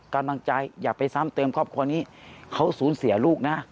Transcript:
กำลังใจอย่าไปซ้ำเติมครอบครัวนี้เขาสูญเสียลูกนะ